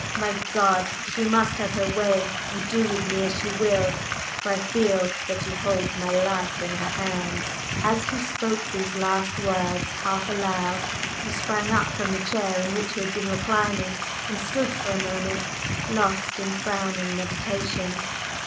My God! She must have her way and do with me as she will, for I feel that she holds my life in her hands!" As he spoke these last words half aloud, he sprang up from the chair in which he had been reclining, and stood for a moment lost in frowning meditation.